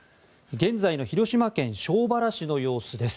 現在の広島県庄原市の様子です。